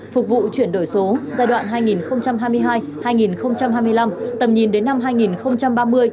phục vụ chuyển đổi số giai đoạn hai nghìn hai mươi hai hai nghìn hai mươi năm tầm nhìn đến năm hai nghìn ba mươi